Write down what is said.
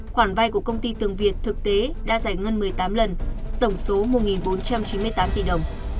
khoản vay của công ty tường việt thực tế đã giải ngân một mươi tám lần tổng số một bốn trăm chín mươi tám tỷ đồng